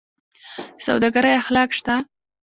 د سوداګرۍ اخلاق شته؟